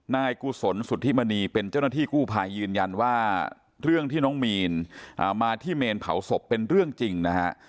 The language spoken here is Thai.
กุศลสุธิมณีเป็นเจ้าหน้าที่กู้ภัยยืนยันว่าเรื่องที่น้องมีนมาที่เมนเผาศพเป็นเรื่องจริงนะฮะ